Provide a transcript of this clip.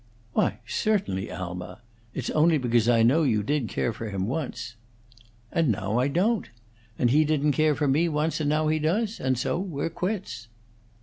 "Why, certainly, Alma. It's only because I know you did care for him once " "And now I don't. And he didn't care for me once, and now he does. And so we're quits."